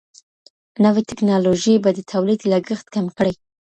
نوي ټیکنالوژي به د تولید لګښت کم کړي.